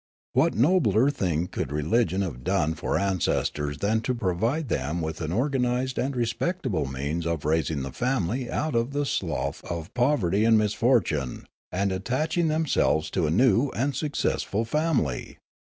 What nobler thing could religion have done for ancestors than to provide them with an organised and respectable means of raising the family out of the slough of poverty and misfortune, and attaching them selves to a new and successful family